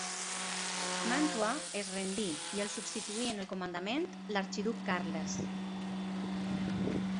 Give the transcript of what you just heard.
Màntua es rendí i el substituí en el comandament l'arxiduc Carles.